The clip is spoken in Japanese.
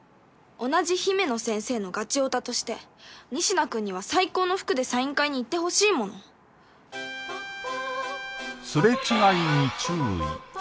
同じ姫乃先生のガチヲタとして仁科君には最高の服でサイン会に行ってほしいものすれ違いに注意